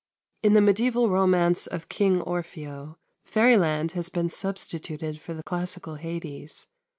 In the mediaeval romance of "King Orfeo" fairyland has been substituted for the classical Hades.